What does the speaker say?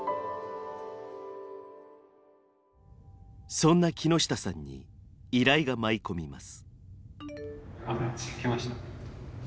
そんな木下さんに依頼が舞い込みます。